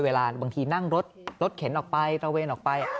เวลาบางทีนั่งรถเข็นออกไประเวนออกไป